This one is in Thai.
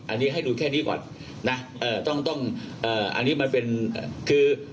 อันนี้ให้ดูแค่นี้ก่อนนะเอ่อต้องต้องเอ่ออันนี้มันเป็นคือ